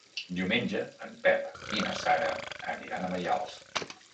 Diumenge en Pep i na Sara aniran a Maials.